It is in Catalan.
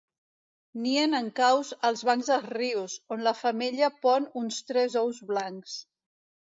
Nien en caus als bancs dels rius, on la femella pon uns tres ous blancs.